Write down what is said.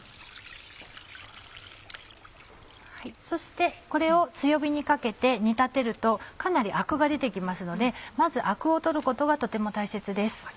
そしてこれを強火にかけて煮立てるとかなりアクが出て来ますのでまずアクを取ることがとても大切です。